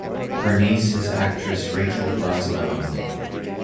Her niece is actress Rachel Brosnahan.